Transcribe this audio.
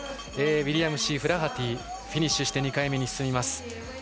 ウィリアムシー・フラハティフィニッシュして２回目に進みます。